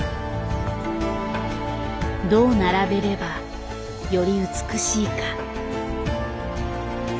どう並べればより美しいか。